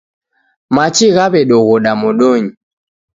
Machi ghawedoghoda modonyi